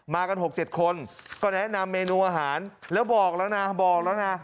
กัน๖๗คนก็แนะนำเมนูอาหารแล้วบอกแล้วนะบอกแล้วนะ